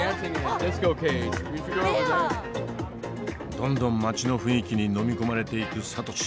どんどん街の雰囲気にのみ込まれていくサトシ。